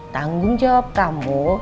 tanggung jawab kamu